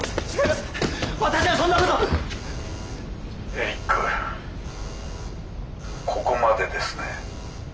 「エリックここまでですね」。